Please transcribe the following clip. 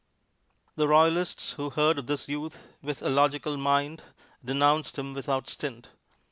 The royalists who heard of this youth with a logical mind denounced him without stint.